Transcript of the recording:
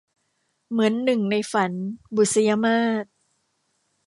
เหมือนหนึ่งในฝัน - บุษยมาส